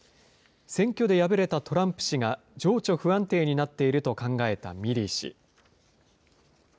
選挙で敗れたトランプ氏が、情緒不安定になっていると考えたミリー氏。